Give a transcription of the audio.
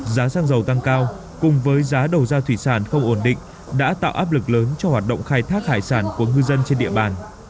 giá xăng dầu tăng cao cùng với giá đầu ra thủy sản không ổn định đã tạo áp lực lớn cho hoạt động khai thác hải sản của ngư dân trên địa bàn